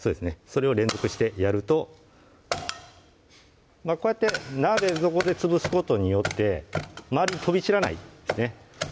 それを連続してやるとこうやって鍋底で潰すことによって周りに飛び散らないですね